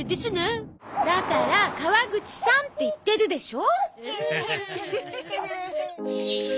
だから川口さんって言ってるでしょ！